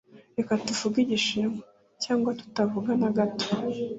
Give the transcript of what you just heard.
Reka tuvuge Igishinwa, cyangwa tutavuga na gato.